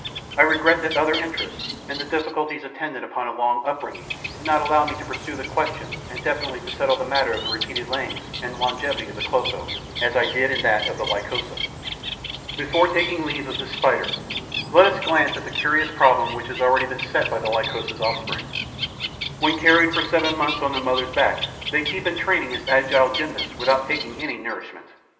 I regret that other interests and the difficulties attendant upon a long upbringing did not allow me to pursue the question and definitely to settle the matter of the repeated layings and the longevity of the Clotho, as I did in that of the Lycosa. Before taking leave of this Spider, let us glance at a curious problem which has already been set by the Lycosa's offspring. When carried for seven months on the mother's back, they keep in training as agile gymnasts without taking any nourishment.